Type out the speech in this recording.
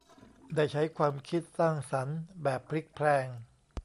ได้ใช้ความคิดสร้างสรรค์แบบพลิกแพลง